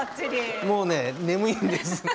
もうね、眠いんです。